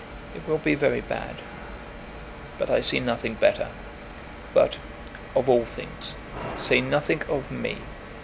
It will be very bad; but I see nothing better. But, of all things, say nothing of me."